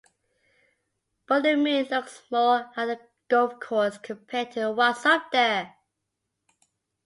But the moon looks more like a golf course compared to what's up there.